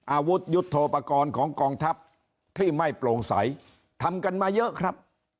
อาวุธยุทธโปรกรณ์ของกองทัพที่ไม่โปร่งใสทำกันมาเยอะครับ